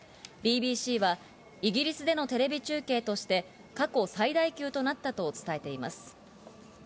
ＢＢＣはイギリスでのテレビ中継として過去最大級となったと伝えています。